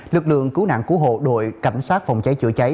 lực lượng cứu nạn cứu hộ đội cảnh sát phòng cháy chữa cháy